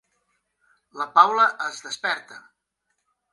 La Paula es desperta.